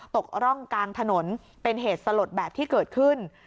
ตกร่องกลางถนนเป็นเหตุสลดแบบที่เกิดขึ้น